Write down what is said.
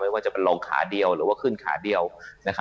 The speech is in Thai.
ไม่ว่าจะลงขาเดียวหรือว่าขึ้นขาเดียวเนี่ยค่ะ